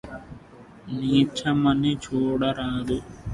నీచమని చూడరాదు